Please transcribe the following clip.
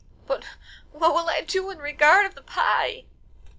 "But what will I do in regard of the pie?"